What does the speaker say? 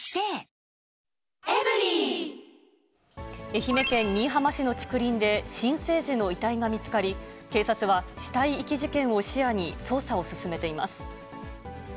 愛媛県新居浜市の竹林で、新生児の遺体が見つかり、警察は死体遺棄事件を視野に捜査を進めています。